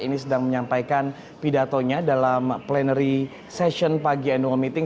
ini sedang menyampaikan pidatonya dalam plenary session pagi annual meeting